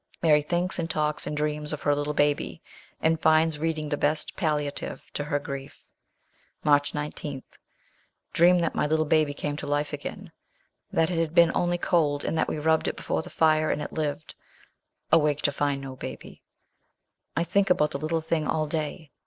Mary thinks, and talks, and dreams of her little baby, and finds reading the best palliative to her grief. March 19. Dream that my little baby came to life again ; that it had only been cold, and that we rubbed it before the fire, and it lived. Awake to find no baby. I think about the little thing all day.